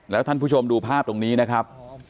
แล้วท่านผู้ชมดูภาพตรงนี้นะครับ